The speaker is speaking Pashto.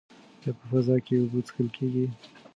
ایا په فضا کې اوبه څښل کیږي؟